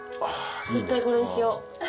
絶対これにしよう。